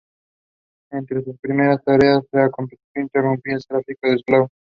Entre sus primeras tareas se acometió interrumpir el tráfico de esclavos.